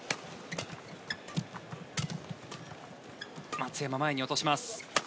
松山、前に落とします。